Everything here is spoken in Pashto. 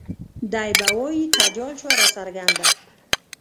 دے به وائي تجال شوه راڅرګنده